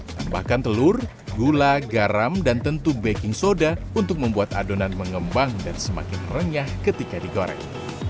tambahkan telur gula garam dan tentu baking soda untuk membuat adonan mengembang dan semakin renyah ketika digoreng